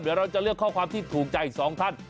เดี๋ยวเราจะเลือกข้อความที่ถูกใจสองท่าน